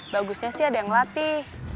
bagusnya sih ada yang latih